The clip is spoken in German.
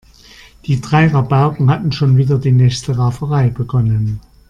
Die drei Rabauken hatten schon wieder die nächste Rauferei begonnen.